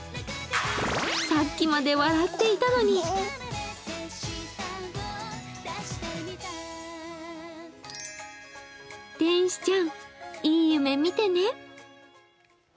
さっきまで笑っていたのに天使ちゃん、いい夢見てね。